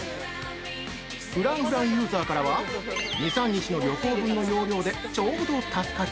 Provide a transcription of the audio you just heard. フランフランユーザーからは、２３日の旅行分の容量でちょうど助かる！